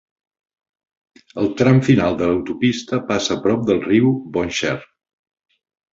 El tram final de l'autopista passa a prop del riu Bonnechere.